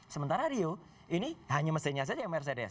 sementara rio ini hanya mesinnya saja yang mercedes